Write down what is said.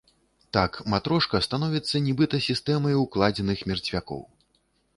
Так, матрошка становіцца нібыта сістэмай укладзеных мерцвякоў.